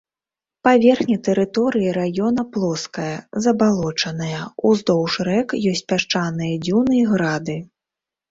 Паверхня тэрыторыі раёна плоская, забалочаная, уздоўж рэк ёсць пясчаныя дзюны і грады.